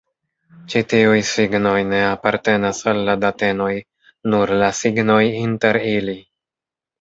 Ĉi tiuj signoj ne apartenas al la datenoj, nur la signoj inter ili.